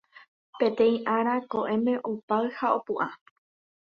Peteĩ ára ko'ẽme opáy ha opu'ã.